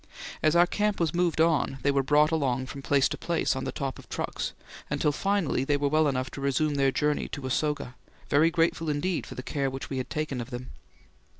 As our camp was moved on, they were brought along from place to place on the top of trucks, until finally they were well enough to resume their journey to Usoga, very grateful indeed for the care which we had taken of them.